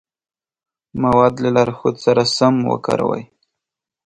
مواد له لارښود سره سم وکاروئ.